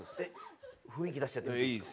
雰囲気出しちゃってもいいですか？